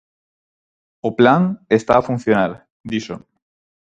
O plan "está a funcionar", dixo.